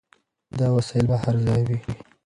دا وسایل به هر ځای وي.